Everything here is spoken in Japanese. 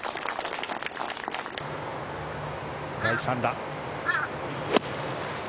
第３打。